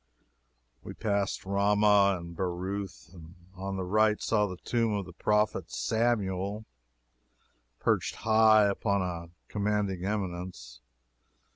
We passed Ramah, and Beroth, and on the right saw the tomb of the prophet Samuel, perched high upon a commanding eminence.